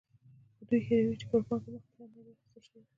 خو دوی هېروي چې پر پانګه مخکې هم مالیه اخیستل شوې ده.